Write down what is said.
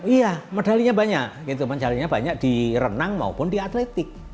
iya medalinya banyak gitu banyak di renang maupun di atletik